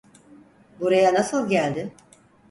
Buraya nasıl geldi?